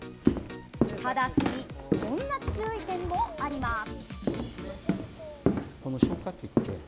ただし、こんな注意点もあります。